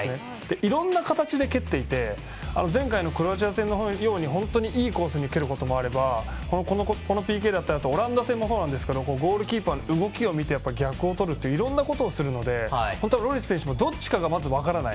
いろんな形で蹴っていて前回のクロアチア戦のようにいいコースに蹴ることもあればこのＰＫだったりオランダ戦もそうですがゴールキーパーの動きを見て逆をとるとかいろいろなことをするのでロリス選手もどっちかがまず分からない。